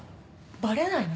バレないの？